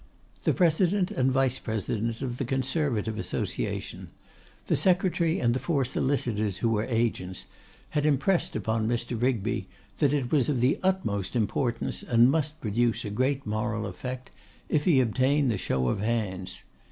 The president and vice president of the Conservative Association, the secretary and the four solicitors who were agents, had impressed upon Mr. Rigby that it was of the utmost importance, and must produce a great moral effect, if he obtain the show of hands.